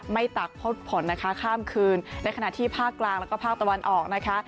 ตักพดผลนะคะข้ามคืนในขณะที่ภาคกลางแล้วก็ภาคตะวันออกนะคะ